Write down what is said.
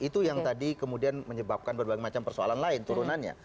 itu yang tadi kemudian menyebabkan berbagai macam persoalan lain turunannya